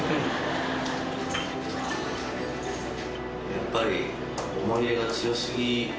やっぱり。